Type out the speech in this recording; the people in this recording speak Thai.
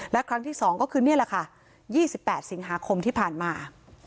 และครั้งที่๒ก็คือนี่แหละค่ะ๒๘สิงหาคมที่ผ่านมา